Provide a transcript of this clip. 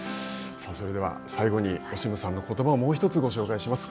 それでは最後にオシムさんのことばをもうひとつご紹介します。